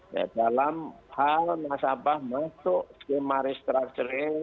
ya dalam hal nasabah masuk skema restructuring